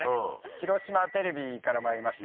広島テレビからまいりました。